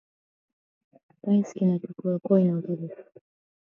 大好きな曲は、恋の歌です。